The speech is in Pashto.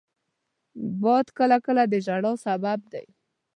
باد کله کله د ژړا سبب دی